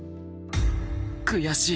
悔しい！